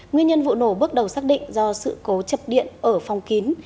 nguyên nhân vụ nổ bước đầu xác định do sự cố chập điện ở phòng kín